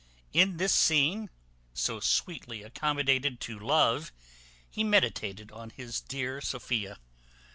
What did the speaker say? In this scene, so sweetly accommodated to love, he meditated on his dear Sophia.